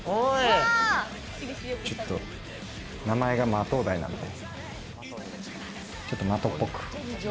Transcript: ちょっと名前がマトウダイなんで、ちょっと的っぽく。